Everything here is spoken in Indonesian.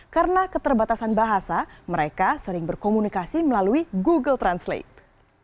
karena keterbatasan bahasa mereka sering berkomunikasi melalui google translate